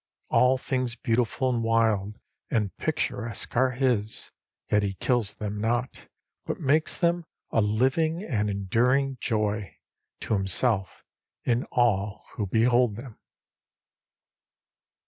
All things beautiful and wild and picturesque are his, yet he kills them not, but makes them a living and enduring joy, to himself and all who behold them.